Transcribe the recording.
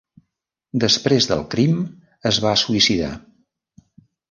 Després del crim es va suïcidar.